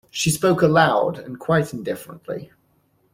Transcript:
She spoke aloud and quite indifferently.